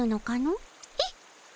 えっ？